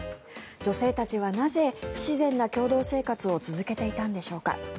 女性たちはなぜ不自然な共同生活を続けていたんでしょうか。